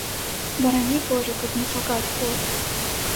Барані божа, каб не чакаць год.